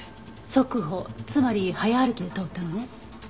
速歩つまり早歩きで通ったのね。